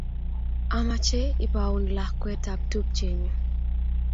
Amache ipaun lakwet ap tupchennyu